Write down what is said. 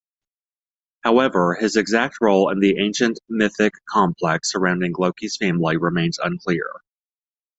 However, his exact role in the ancient mythic complex surrounding Loki's family remains unclear.